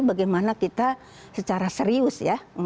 bagaimana kita secara serius ya